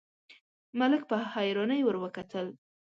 ملک په حيرانۍ ور وکتل: